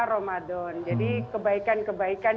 ramadan jadi kebaikan kebaikan